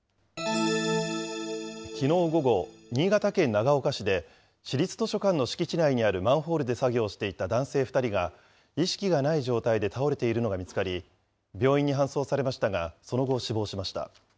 きのう午後、新潟県長岡市で、市立図書館の敷地内にあるマンホールで作業していた男性２人が、意識がない状態で倒れているのが見つかり、病院に搬送されましたが、その後、死亡しました。